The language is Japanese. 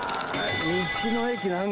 道の駅。